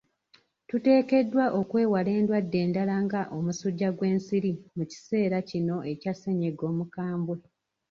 Tuteekeddwa okwewala endwadde endala nga omusujja gw'ensiri mu kiseera kino ekya ssennyiga omukambwe.